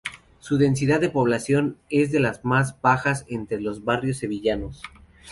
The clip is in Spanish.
Su densidad de población es de las más bajas de entre los barrios sevillanos.